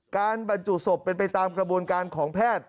บรรจุศพเป็นไปตามกระบวนการของแพทย์